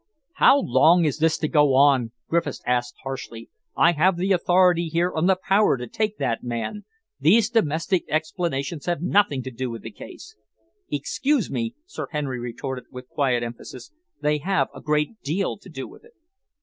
"How long is this to go on?" Griffiths asked harshly. "I have the authority here and the power to take that man. These domestic explanations have nothing to do with the case." "Excuse me," Sir Henry retorted, with quiet emphasis, "they have a great deal to do with it."